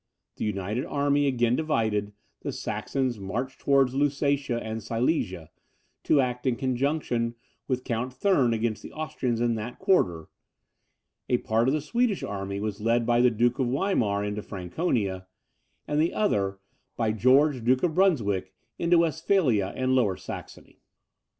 The united army again divided: the Saxons marched towards Lusatia and Silesia, to act in conjunction with Count Thurn against the Austrians in that quarter; a part of the Swedish army was led by the Duke of Weimar into Franconia, and the other by George, Duke of Brunswick, into Westphalia and Lower Saxony.